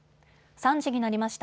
３時になりました。